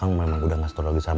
apa yang harus aku pikirin